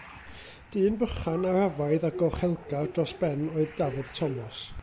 Dyn bychan, arafaidd a gochelgar dros ben oedd Dafydd Tomos.